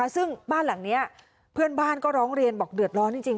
ซึ่งบ้านหลังนี้เพื่อนบ้านก็ร้องเรียนบอกเดือดร้อนจริง